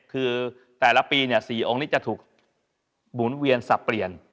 คือแต่ละปี๔องค์นี้จะถูกหมุนเวียนสับเปลี่ยน